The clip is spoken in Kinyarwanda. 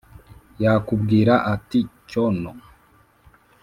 yakubwira ati: “cyono